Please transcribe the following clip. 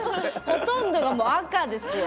ほとんどが赤ですよ。